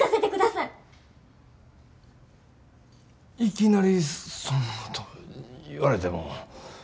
いきなりそんなこと言われても。